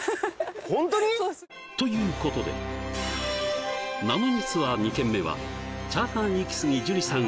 ホントに？ということでなのにツアー２軒目はチャーハンイキスギ樹里さん